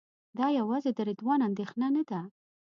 دا یوازې د رضوان اندېښنه نه ده.